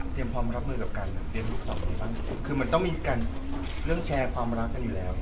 เตรียมพร้อมรับมือกับกันนี่คือถ้ามีการเรื่องแชร์ความรักกันอยู่แล้ว